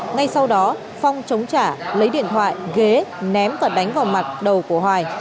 ngay sau đó phong chống trả lấy điện thoại ghế ném và đánh vào mặt đầu của hoài